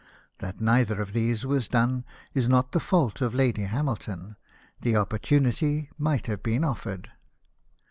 That neither of these was done is not the fault of Lady Hamilton; the opportunity might have been offered.